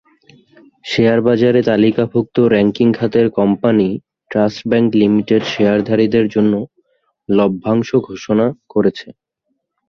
শেয়ারবাজারে তালিকাভুক্ত ব্যাংকিং খাতের কোম্পানি ট্রাস্ট ব্যাংক লিমিটেড শেয়ারধারীদের জন্য লভ্যাংশ ঘোষণা করেছে।